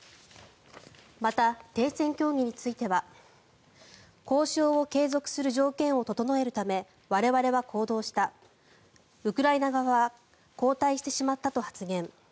また、停戦協議については交渉を継続する条件を整えるため我々は行動したウクライナ側が後退してしまったと発言。